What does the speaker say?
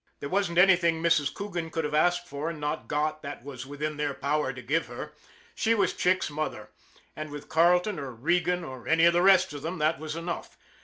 There wasn't anything Mrs. Coogan could have asked for and not got that was within their power to give her she was Chick's mother, and with Carleton or Regan or any of the rest of them that was enough.